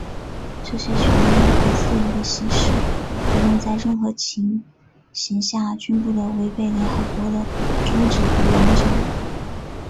这些权利和自由的行使,无论在任何情形下均不得违背联合国的宗旨和原则。